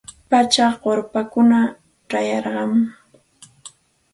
Pachak urpikunam chayarqamun.